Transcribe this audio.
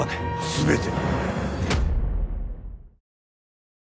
全て。